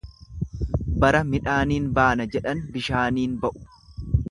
Bara midhaaniin baana jedhan, bishaaniin ba'u.